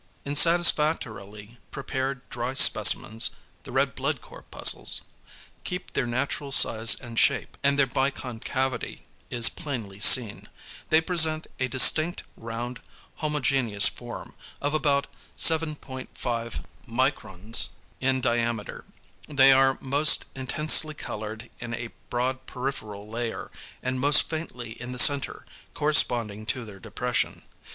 In satisfactorily prepared dry specimens =the red blood corpuscles= keep their natural size and shape, and their biconcavity is plainly seen. They present a distinct round homogeneous form, of about 7.5 µ in diameter. They are most intensely coloured in a broad peripheral layer, and most faintly in the centre corresponding to their depression.